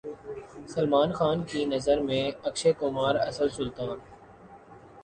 سلمان خان کی نظر میں اکشے کمار اصل سلطان